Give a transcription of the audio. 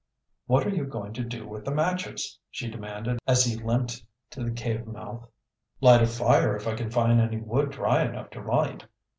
"What are you going to do with the matches?" she demanded as he limped to the cave mouth. "Light a fire if I can find any wood dry enough to light.